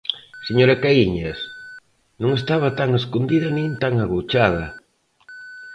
Señora Caíñas, non estaba tan escondida nin tan agochada.